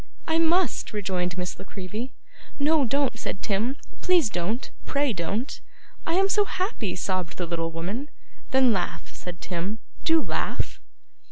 'I must,' rejoined Miss La Creevy. 'No, don't,' said Tim. 'Please don't; pray don't.' 'I am so happy!' sobbed the little woman. 'Then laugh,' said Tim. 'Do laugh.